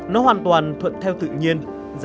nó hoàn toàn thuận theo tự nhiên